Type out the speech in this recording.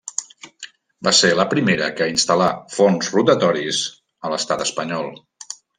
Va ser la primera que instal·là forns rotatoris a l'Estat Espanyol.